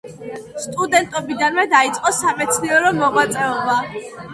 სტუდენტობიდანვე დაიწყო სამეცნიერო მოღვაწეობა.